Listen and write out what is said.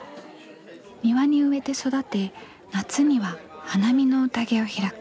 庭に植えて育て夏には花見のうたげを開く。